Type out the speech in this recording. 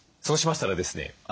そうしましたらですね